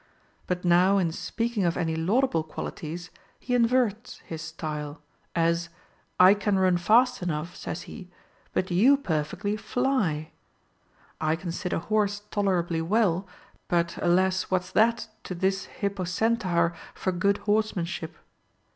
But now in speaking of any laudable qualities, he inverts his style ; as, I can run fast enough, says he, but you perfectly fly. I can sit an horse tolerably well, but alas ! what's that to this Hippocentaur for good horsemanship